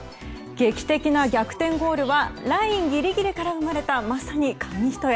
劇的な逆転ゴールはラインギリギリから生まれたまさに紙一重。